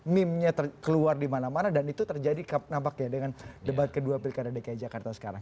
meme nya keluar di mana mana dan itu terjadi nampaknya dengan debat kedua pilkada dki jakarta sekarang